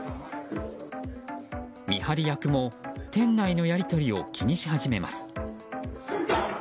見張り役も、店内のやり取りを気にし始めます。